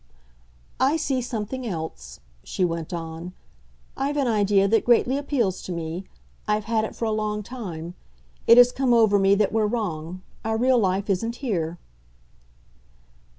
"I see something else," she went on; "I've an idea that greatly appeals to me I've had it for a long time. It has come over me that we're wrong. Our real life isn't here."